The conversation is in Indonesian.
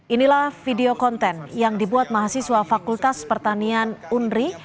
inilah video konten yang dibuat mahasiswa fakultas pertanian unri